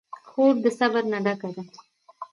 خور د صبر نه ډکه ده.